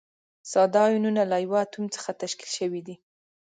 ساده ایونونه له یوه اتوم څخه تشکیل شوي دي.